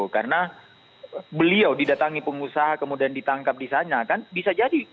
karena beliau didatangi pengusaha kemudian ditangkap di sana kan bisa jadi